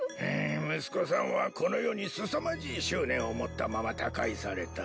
息子さんはこの世にすさまじい執念を持ったまま他界された。